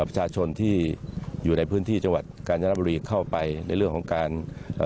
ประชาชนที่อยู่ในพื้นที่จังหวัดกาญจนบุรีเข้าไปในเรื่องของการเอ่อ